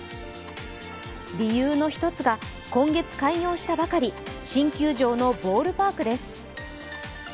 理由の一つが今月開業したばかり新球場のボールパークです。